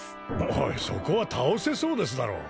おいそこは倒せそうですだろ